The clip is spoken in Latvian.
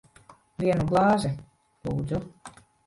Vienu glāzi. Lūdzu.